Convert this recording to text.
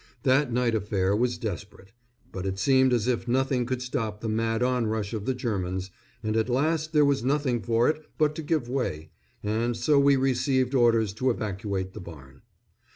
That night affair was desperate; but it seemed as if nothing could stop the mad onrush of the Germans, and at last there was nothing for it but to give way, and so we received orders to evacuate the barn.